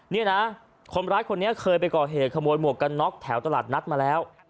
นี่นะคนร้ายคนนี้เคยไปก่อเหตุขโมยหมวกกันน็อกแถวตลาดนัดมาแล้ว